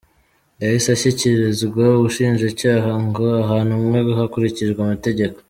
Yahise ashyikirizwa ubushinjacyaha ngo ahanwe hakurikijwe amategeko.